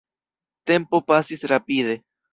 Tempo pasis rapide.